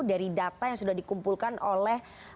dari data yang sudah dikumpulkan oleh